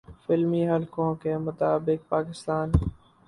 فلمی حلقوں کے مطابق پاکستان